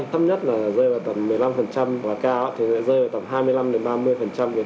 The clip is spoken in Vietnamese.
thấp nhất là rơi vào tầm một mươi năm và cao thì rơi vào tầm hai mươi năm ba mươi cái khoản vay đó